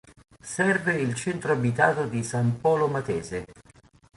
Serve il centro abitato di San Polo Matese.